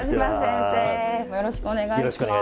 よろしくお願いします。